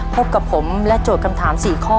พบกับผมและโจทย์คำถาม๔ข้อ